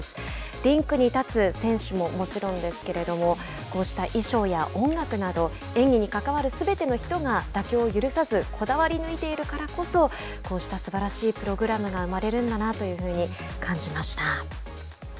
リンクに立つ選手ももちろんですけれどもこうした衣装や音楽など演技に関わるすべての人が妥協を許さずこだわり抜いているからこそこうしたすばらしいプログラムが生まれるんだなというふうに感じました。